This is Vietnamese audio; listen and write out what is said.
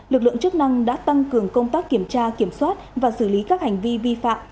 lực lượng chức năng đã tăng cường công tác kiểm tra kiểm soát và xử lý các hành vi vi phạm